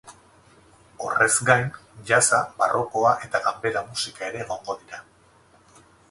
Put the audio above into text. Horrez gain, jazza, barrokoa eta ganbera musika ere egongo dira.